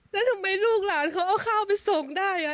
แล้วทำไมลูกหลานเขาเอาข้าวไปส่งได้